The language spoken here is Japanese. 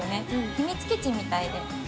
秘密基地みたいで。